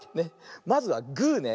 まずはグーね。